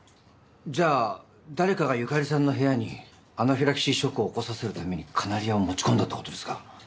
じゃあ誰かが由佳里さんの部屋にアナフィラキシーショックを起こさせるためにカナリアを持ち込んだって事ですか？